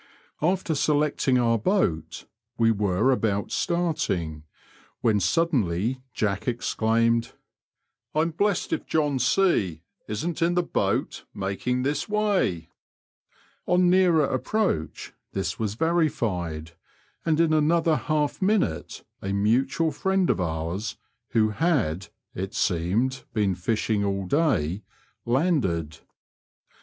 After selecting our boat we were about starting, when suddenly Jack exclaimed, I'm blessed if John C isn't in the boat making this way." On nearer approach this was verified, and in another half minute a mutual friend of ours, who had, it seemed, been fishing all day, landed.